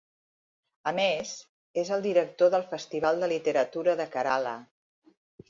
A més, és el director del Festival de Literatura de Kerala.